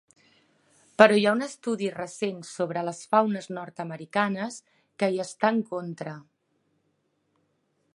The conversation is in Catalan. Però hi ha un estudi recent sobre les faunes nord-americanes que hi està en contra.